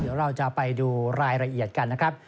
เดี๋ยวเราจะไปดูรายละเอียดกันนะครับ